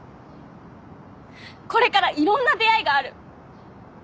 これからいろんな出会いがある。